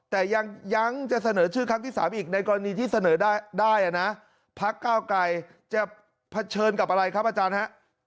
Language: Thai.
แต่ยังจะเสนอชื่อครั้งที่๓อีกในกรณีที่เสนอได้นะพักเก้าไกรจะเผชิญกับอะไรครับอาจารย์ฮะ